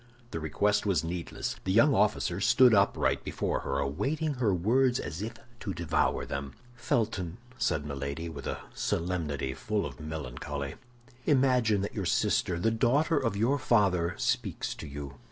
The request was needless. The young officer stood upright before her, awaiting her words as if to devour them. "Felton," said Milady, with a solemnity full of melancholy, "imagine that your sister, the daughter of your father, speaks to you.